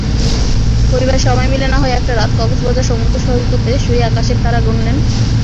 পরিবারের সবাই মিলে নাহয় একটা রাত কক্সবাজার সমুদ্রসৈকতে শুয়ে আকাশের তারা গুনলেন।